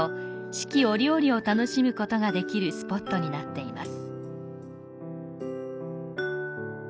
四季折々を楽しむことができるスポットになっています。